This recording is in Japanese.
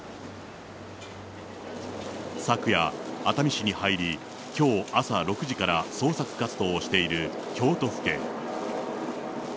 昨夜、熱海市に入り、きょう朝６時から捜索活動をしている京都府警。